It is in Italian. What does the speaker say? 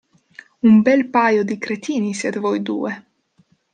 Un bel paio di cretini siete voi due!